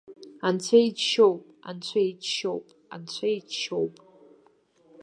Анцәа иџьшьоуп, анцәа иџьшьоуп, анцәа иџьшьоуп!